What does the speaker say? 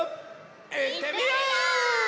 いってみよう！